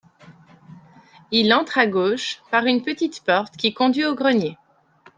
Il entre à gauche par une petite porte qui conduit au grenier.